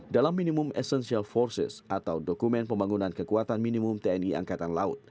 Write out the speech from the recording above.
dalam minimum essential forces atau dokumen pembangunan kekuatan minimum tni angkatan laut